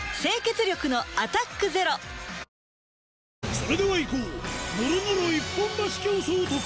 それではいこう！